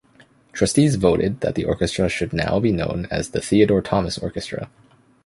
Trustees voted that the Orchestra should now be known as 'The Theodore Thomas Orchestra.